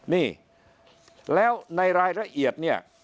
นี่แล้วในรายละเอียด